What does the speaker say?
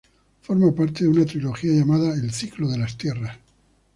Forma parte de una trilogía llamada "El Ciclo de las Tierras".